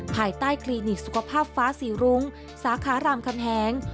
ภายใต้คลินิกสุขภาพฟ้าสีรุ้งสาขารามคำแหง